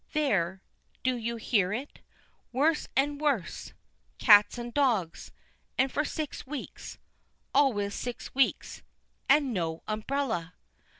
There do you hear it? Worse and worse? Cats and dogs, and for six weeks always six weeks. And no umbrella!